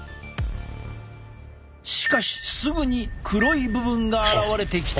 しかしすぐに黒い部分が現れてきた。